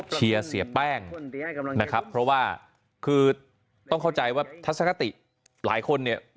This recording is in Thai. เสียแป้งนะครับเพราะว่าคือต้องเข้าใจว่าทัศนคติหลายคนเนี่ย